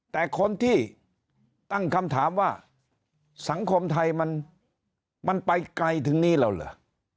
แต่คนที่ตั้งคำถามว่าสังคมไทยมันไปไกลถึงนี้แล้วเหรอ